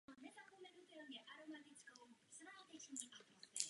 Oblast působení severního velitelství je vymezena od hory Hermon až po přístav Netanja.